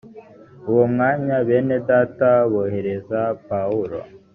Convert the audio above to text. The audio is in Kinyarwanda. uwo mwanya bene data bohereza pawulo